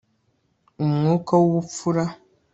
Umwuka wubupfura